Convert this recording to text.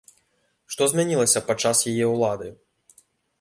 Што змянілася падчас яе ўлады?